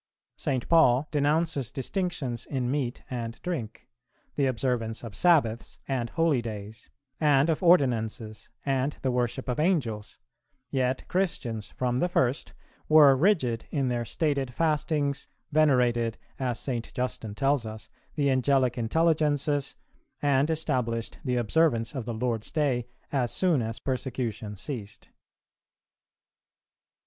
St. Paul denounces distinctions in meat and drink, the observance of Sabbaths and holydays, and of ordinances, and the worship of Angels; yet Christians, from the first, were rigid in their stated fastings, venerated, as St. Justin tells us, the Angelic intelligences,[369:1] and established the observance of the Lord's day as soon as persecution ceased.